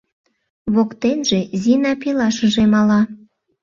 Воктенже Зина пелашыже мала.